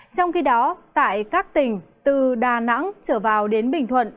trong khi đó tại các tỉnh từ đà nẵng trở vào đến bình thuận